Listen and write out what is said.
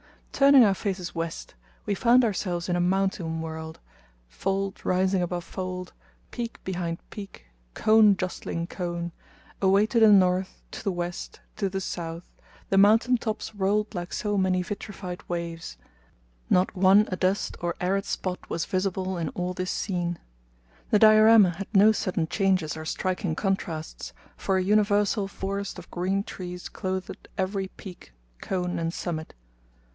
Turning our faces west, we found ourselves in a mountain world, fold rising above fold, peak behind peak, cone jostling cone; away to the north, to the west, to the south, the mountain tops rolled like so many vitrified waves; not one adust or arid spot was visible in all this scene. The diorama had no sudden changes or striking contrasts, for a universal forest of green trees clothed every peak, cone, and summit.